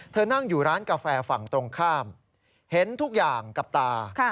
นั่งอยู่ร้านกาแฟฝั่งตรงข้ามเห็นทุกอย่างกับตา